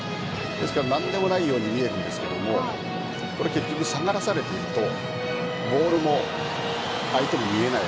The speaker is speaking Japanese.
何でもないように見えるんですが結局、下がらされているとボールも相手に見えない。